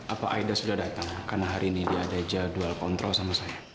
apa aida sudah datang karena hari ini dia ada jadwal kontrol sama saya